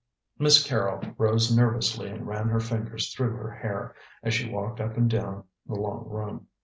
Miss Carrol rose nervously and ran her fingers through her hair, as she walked up and down the long room.